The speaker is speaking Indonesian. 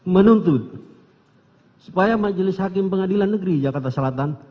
menuntut supaya majelis hakim pengadilan negeri jakarta selatan